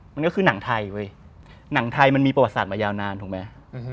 มันก็คือหนังไทยเว้ยหนังไทยมันมีประวัติศาสตร์มายาวนานถูกไหม